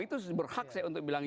itu berhak saya untuk bilang